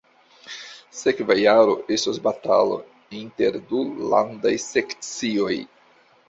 Sekva jaro estos batalo inter du landaj sekcioj